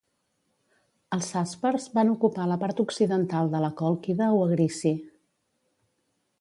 Els Saspers van ocupar la part occidental de la Còlquida o Egrissi.